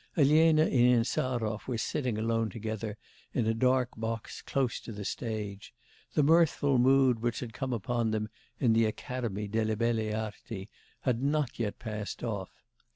Elena and Insarov were sitting alone together in a dark box close to the stage; the mirthful mood which had come upon them in the academy delle Belle Arti had not yet passed off.